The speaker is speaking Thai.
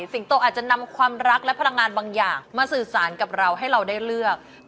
สิงโตอาจจะนำความรักและพลังงานบางอย่างมาสื่อสารกับเราให้เราได้เลือก